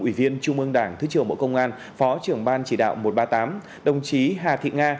ủy viên trung ương đảng thứ trưởng bộ công an phó trưởng ban chỉ đạo một trăm ba mươi tám đồng chí hà thị nga